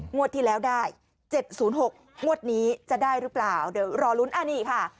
งวดที่แล้วได้๗๐๖งวดนี้จะได้หรือเปล่าเดี๋ยวรอลุ้นอันนี้ค่ะ